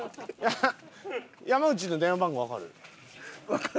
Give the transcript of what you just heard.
山内の電話番号わかる？